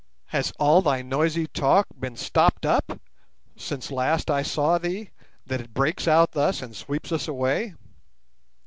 "Has all thy noisy talk been stopped up since last I saw thee that it breaks out thus, and sweeps us away?